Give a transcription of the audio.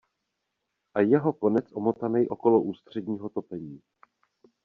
A jeho konec omotanej okolo ústředního topení.